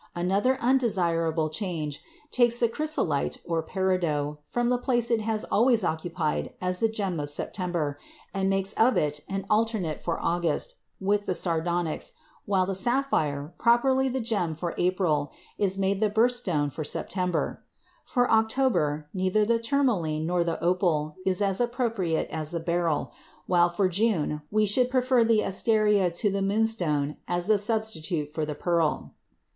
Another undesirable change takes the chrysolite (peridot) from the place it has always occupied as the gem of September, and makes of it an alternate for August, with the sardonyx, while the sapphire, properly the gem for April, is made the birth stone for September. For October neither the tourmaline nor the opal is as appropriate as the beryl, while for June we should prefer the asteria to the moonstone as a substitute for the pearl.